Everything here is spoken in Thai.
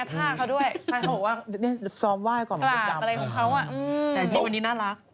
ท่าเขาบอกว่านี่ซอมว่ายก่อนมันตกดำอ่ะแต่จริงวันนี้น่ารักตบ